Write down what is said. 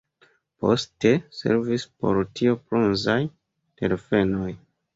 Poste servis por tio bronzaj delfenoj.